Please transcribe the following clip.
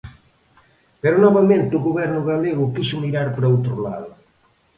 Pero novamente o Goberno galego quixo mirar para outro lado.